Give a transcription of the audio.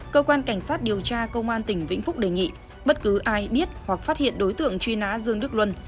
cơ quan cảnh sát điều tra công an tỉnh vĩnh phúc đề nghị bất cứ ai biết hoặc phát hiện đối tượng truy nã dương đức luân